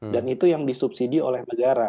dan itu yang disubsidi oleh negara